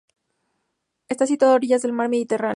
Está situada a orillas del mar Mediterráneo.